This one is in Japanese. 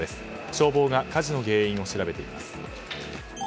消防が火事の原因を調べています。